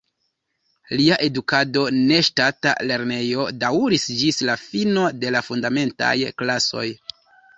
Lia edukado en ŝtata lernejo daŭris ĝis la fino de la fundamentaj klasoj.